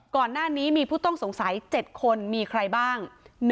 ก่อนหน้านี้มีผู้ต้องสงสัย๗คนมีใครบ้าง